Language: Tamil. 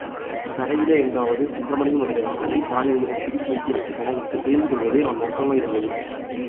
கரையிலே எங்காவது தங்கமணி முதலியவர்களைத் தாழிவயிறன் பிடித்து வைத்திருக்கிறானா என்று தெரிந்துகொள்வதே அவன் நோக்கமாயிருந்தது.